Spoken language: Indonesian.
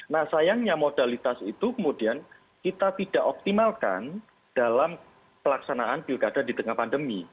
nah sayangnya modalitas itu kemudian kita tidak optimalkan dalam pelaksanaan pilkada di tengah pandemi